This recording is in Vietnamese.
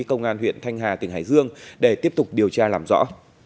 công an huyện thanh hà tỉnh hải dương để tiếp tục điều tra làm rõ